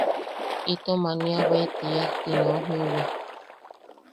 Itom aniabae tia ti neu jiuwa.